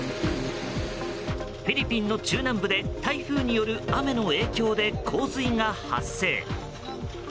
フィリピンの中南部で台風による雨の影響で洪水が発生。